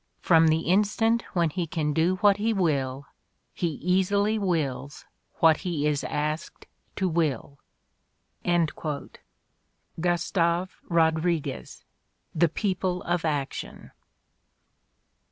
From the instant when he can do what he will, he easily wiUs what he is asked to will." GusTAVE EoDEiGDES : The People of Action.